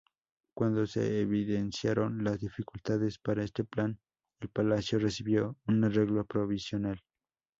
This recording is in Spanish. Cuando se evidenciaron las dificultades para este plan, el palacio recibió un arreglo provisional.